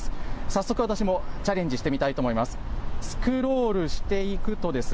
早速私もチャレンジしてみたいと思います。